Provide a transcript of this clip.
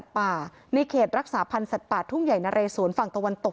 ภาคศาพันธ์สัตว์ป่าทุ่มใหญ่นะเรศวนฝั่งตะวันตก